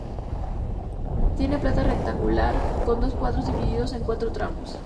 Tiene planta rectangular, con dos cuadrados divididos en cuatro tramos.